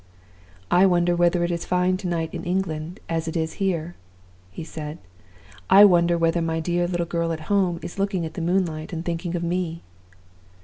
"'I wonder whether it is fine to night in England as it is here?' he said. 'I wonder whether my dear little girl at home is looking at the moonlight, and thinking of me?